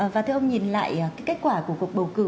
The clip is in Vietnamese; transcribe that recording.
và thưa ông nhìn lại kết quả của cuộc bầu cử